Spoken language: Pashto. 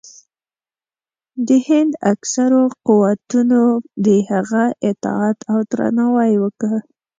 د هند اکثرو قوتونو د هغه اطاعت او درناوی وکړ.